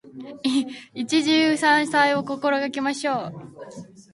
一汁三菜を心がけましょう。